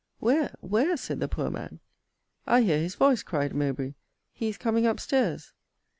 Where, where? said the poor man. I hear his voice, cried Mowbray: he is coming up stairs.